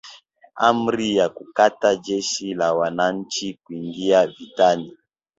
Amri ya kutaka Jeshi la Wananchi kuingia vitani